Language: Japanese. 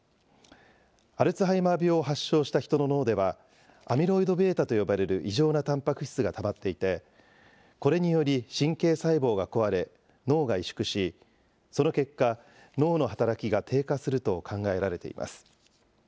アルツハイマー病を発症した人の脳では、アミロイドβと呼ばれる異常なたんぱく質がたまっていて、これにより、神経細胞が壊れ、脳が委縮し、その結果、脳の働きが低下すると考えられています。